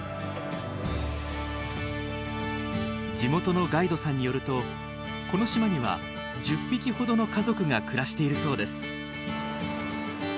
地元のガイドさんによるとこの島には１０匹ほどの家族が暮らしているそうです。